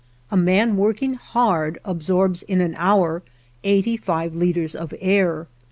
A man working hard absorbs in an hour eighty five liters of air.